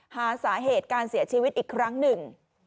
หาสาเหตุการเสียชีวิตอีกครั้งหนึ่ง